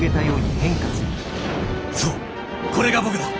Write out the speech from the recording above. そうこれが僕だ。